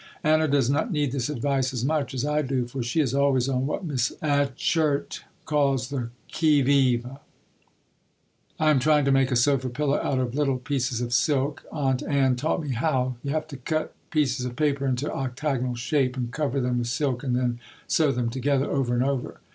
Anna does not need this advice as much as I do for she is always on what Miss Achert calls the "qui vive." I am trying to make a sofa pillow out of little pieces of silk. Aunt Ann taught me how. You have to cut pieces of paper into octagonal shape and cover them with silk and then sew them together, over and over.